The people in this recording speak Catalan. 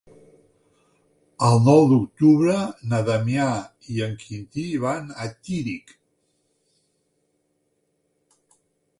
El nou d'octubre na Damià i en Quintí van a Tírig.